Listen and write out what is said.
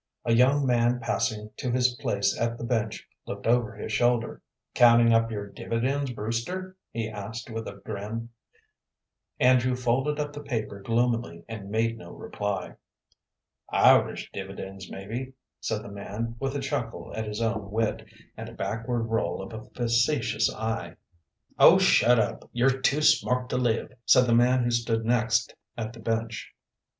A young man passing to his place at the bench looked over his shoulder. "Counting up your dividends, Brewster?" he asked, with a grin. Andrew folded up the paper gloomily and made no reply. "Irish dividends, maybe," said the man, with a chuckle at his own wit, and a backward roll of a facetious eye. "Oh, shut up, you're too smart to live," said the man who stood next at the bench.